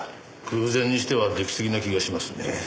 偶然にしては出来すぎな気がしますね。